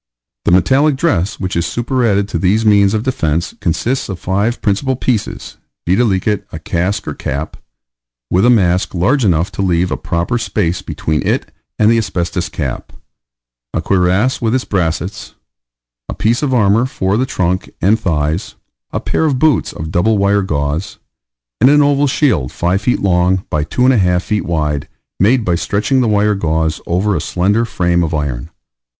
The metallic dress which is superadded to these means of defence consists of five principal pieces, viz., a casque or cap, with a mask large enough to leave a proper space between it and the asbestos cap; a cuirass with its brassets; a piece of armour for the trunk and thighs; a pair of boots of double wire gauze; and an oval shield 5 feet long by 2 1/2 feet wide, made by stretching the wire gauze over a slender frame of iron.